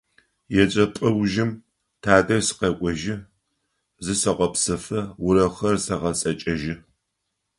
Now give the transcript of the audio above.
ЕджэпӀэ ужым тадэжь сыкъэкӀожьы, зысэгъэпсэфы, урокхэр сэгъэцэкӀэжьы.